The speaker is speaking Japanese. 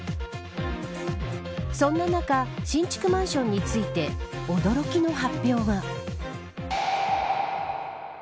そんな中新築マンションについて驚きの発表が。